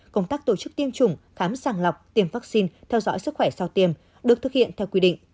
công tác tổ chức tiêm chủng khám sàng lọc tiêm vaccine theo dõi sức khỏe sau tiêm được thực hiện theo quy định